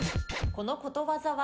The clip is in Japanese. このことわざは？